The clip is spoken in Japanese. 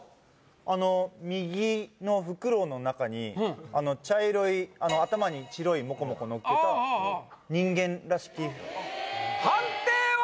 あの右のふくろうの中にあの茶色いあの頭に白いモコモコのっけた人間らしき判定は？